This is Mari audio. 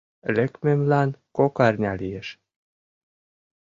Лекмемлан кок арня лиеш.